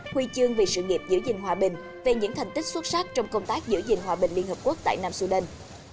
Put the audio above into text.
huy chương về sự nghiệp giữ gìn hòa bình về những thành tích xuất sắc trong công tác giữ gìn hòa bình liên hợp quốc tại nam sudan